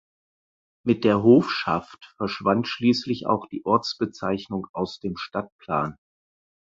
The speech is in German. Mit der Hofschaft verschwand schließlich auch die Ortsbezeichnung aus dem Stadtplan.